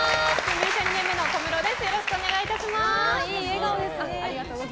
入社２年目の小室です。